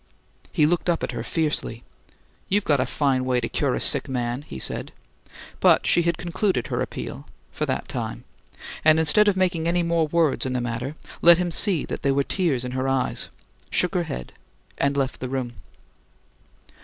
He looked up at her fiercely. "You've got a fine way to cure a sick man!" he said; but she had concluded her appeal for that time and instead of making any more words in the matter, let him see that there were tears in her eyes, shook her head, and left the room.